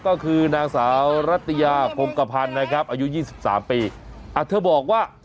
ก็คือนางสาวรัตยาพงกระพันธ์นะครับอายุยี่สิบสามปีอ่ะเธอบอกว่า